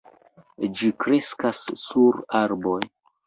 Ĝi kreskas sur arboj.